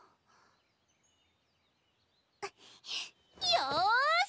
よし！